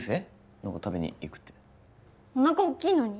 何か食べに行くっておなかおっきいのに？